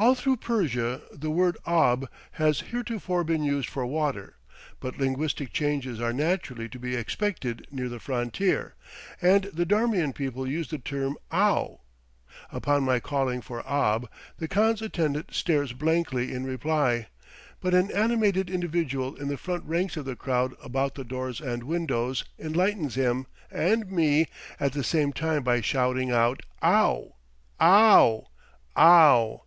All through Persia the word "ob" has heretofore been used for water; but linguistic changes are naturally to be expected near the frontier, and the Darmian people use the term "ow." Upon my calling for ob, the khan's attendant stares blankly in reply; but an animated individual in the front ranks of the crowd about the doors and windows enlightens him and me at the same time by shouting out, "Ow! ow! ow!"